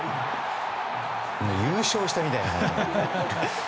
優勝したみたいな。